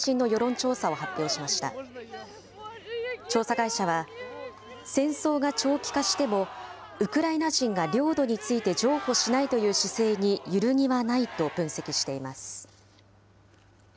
調査会社は、戦争が長期化しても、ウクライナ人が領土について譲歩しないという姿勢に揺るぎはないと分析しています。